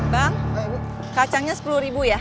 bang kacangnya sepuluh ribu ya